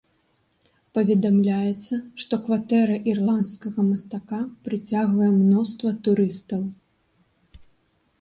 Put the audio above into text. Паведамляецца, што кватэра ірландскага мастака прыцягвае мноства турыстаў.